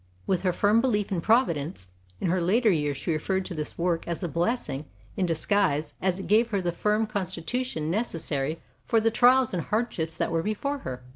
With her firm belief in Providence, in her later years she referred to this work as a blessing in disguise as it gave her the firm constitution necessary for the trials and hardships that were before her.